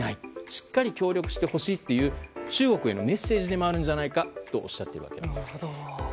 しっかり協力してほしいという中国へのメッセージでもあるんじゃないかとおっしゃっているわけです。